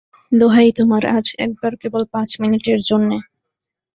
দোহাই তোমার, আজ একবার কেবল পাঁচ মিনিটের জন্যে।